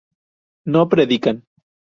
no predican